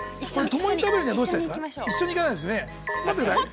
◆共に食べるには、どうしたらいいですか。